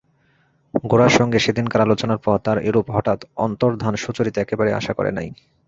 গোরার সঙ্গে সেদিনকার আলোচনার পর তাহার এরূপ হঠাৎ অন্তর্ধান সুচরিতা একেবারেই আশা করে নাই।